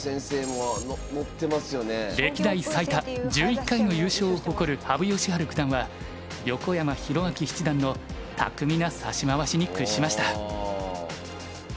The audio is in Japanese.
歴代最多１１回の優勝を誇る羽生善治九段は横山泰明七段の巧みな指し回しに屈しました。